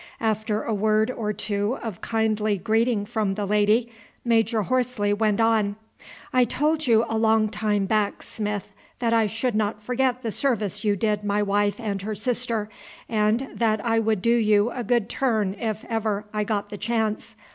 After a word or two of kindly greeting from the lady, Major Horsley went on: "I told you a long time back, Smith, that I should not forget the service you did my wife and her sister, and that I would do you a good turn if I ever got the chance.